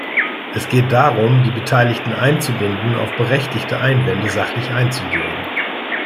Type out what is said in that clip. Es geht darum, die Beteiligten einzubinden, auf berechtigte Einwände sachlich einzugehen.